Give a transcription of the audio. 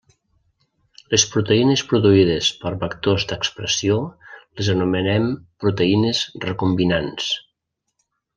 Les proteïnes produïdes per vectors d'expressió, les anomenem proteïnes recombinants.